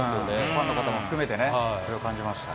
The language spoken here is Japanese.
ファンの方も含めてね、それを感じました。